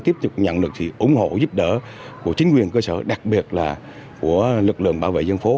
tiếp tục nhận được sự ủng hộ giúp đỡ của chính quyền cơ sở đặc biệt là của lực lượng bảo vệ dân phố